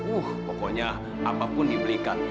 uh pokoknya apapun dibelikan